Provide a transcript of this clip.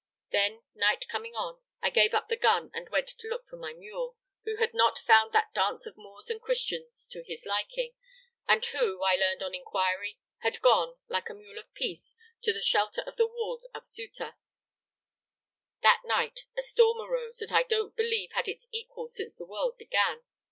Then, night coming on, I gave up the gun and went to look for my mule, who evidently had not found that dance of Moors and Christians to his liking, and who, I learned on inquiry, had gone, like a mule of peace, to the shelter of the walls of Ceuta. "That night a storm arose that I don't believe had its equal since the world began.